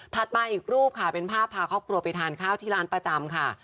มาอีกรูปค่ะเป็นภาพพาครอบครัวไปทานข้าวที่ร้านประจำค่ะ